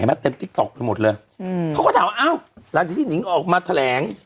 ให้มาเต็มติ๊กต๊อกไปหมดเลยเขาก็ถามว่าอ้าวร้านที่นิ้งออกมาแถลง